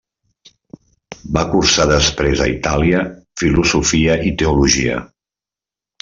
Va cursar després a Itàlia filosofia i teologia.